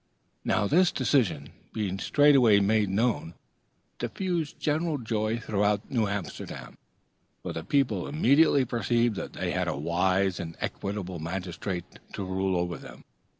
This decision, being straightway made known, diffused general joy throughout New Amsterdam, for the people immediately perceived that they had a very wise and equitable magistrate to rule over them.